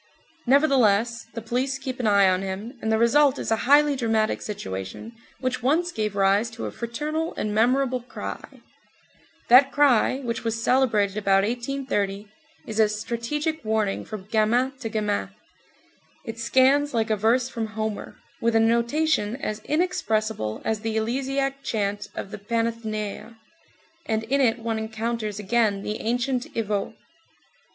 Nevertheless the police keep an eye on him, and the result is a highly dramatic situation which once gave rise to a fraternal and memorable cry; that cry which was celebrated about 1830, is a strategic warning from gamin to gamin; it scans like a verse from Homer, with a notation as inexpressible as the eleusiac chant of the Panathenæa, and in it one encounters again the ancient Evohe.